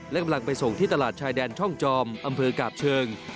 และกำลังไปส่งที่ตลาดชายแดนช่องจอมอำเภอกาบเชิง